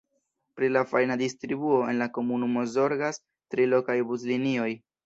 Pri la fajna distribuo en la komunumo zorgas tri lokaj buslinioj.